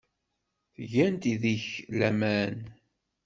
Ttgent deg-k laman.